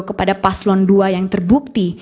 kepada paslon dua yang terbukti